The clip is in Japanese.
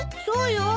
そうよ。